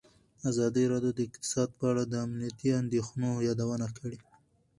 ازادي راډیو د اقتصاد په اړه د امنیتي اندېښنو یادونه کړې.